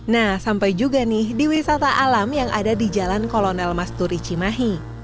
nah sampai juga nih di wisata alam yang ada di jalan kolonel masturi cimahi